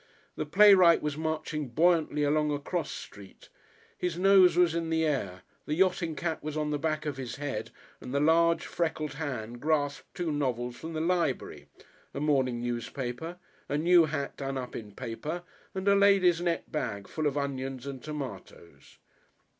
The playwright was marching buoyantly along a cross street. His nose was in the air, the yachting cap was on the back of his head and the large freckled hand grasped two novels from the library, a morning newspaper, a new hat done up in paper and a lady's net bag full of onions and tomatoes....